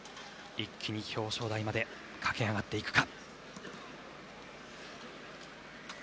一気に表彰台まで駆け上がっていくか。